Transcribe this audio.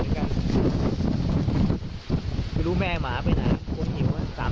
ไม่รู้แม่หมาไปไหนคนหิว